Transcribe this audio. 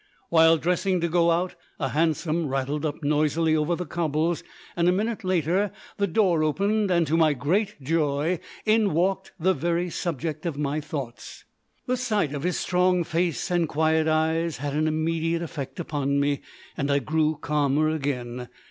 While dressing to go out, a hansom rattled up noisily over the cobbles, and a minute later the door opened, and to my great joy in walked the very subject of my thoughts. The sight of his strong face and quiet eyes had an immediate effect upon me, and I grew calmer again.